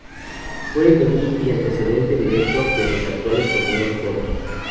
Fue el debut y antecedente directo de los actuales torneos cortos.